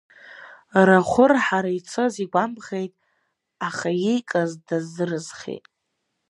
Рахәырҳара ицоз игәамԥхеит, аха, иикыз, дазыразхеит.